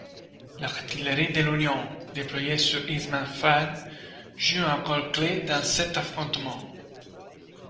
L'artillerie de l'Union, déployée sur Hillsman Farm joue un rôle clé dans cet affrontement.